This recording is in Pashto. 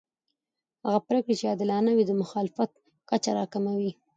هغه پرېکړې چې عادلانه وي د مخالفت کچه راکموي